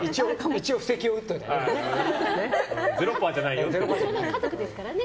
一応、布石を打っておいてね。